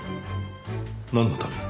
なんのために？